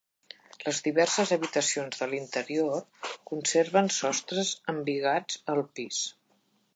Les diverses habitacions de l'interior conserven sostres embigats al pis.